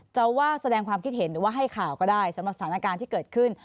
จะว่าแสดงความคิดเห็นหรือว่าให้ข่าวก็ได้สำหรับสถานการณ์ที่เกิดขึ้น